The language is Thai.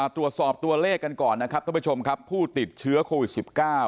ตรวจสอบตัวเลขกันก่อนนะครับท่านผู้ชมครับผู้ติดเชื้อโควิด๑๙